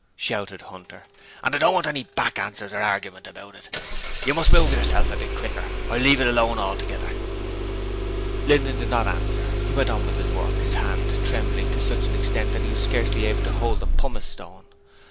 shouted Hunter. 'And I don't want any back answers or argument about it. You must move yourself a bit quicker or leave it alone altogether.' Linden did not answer: he went on with his work, his hand trembling to such an extent that he was scarcely able to hold the pumice stone.